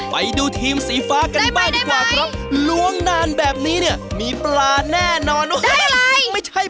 ไปดูที่มสีฟ้ากันมากได้ไหมล้วงนานแบบนี้เนี่ยมีปลาแน่นอนว่ะไม่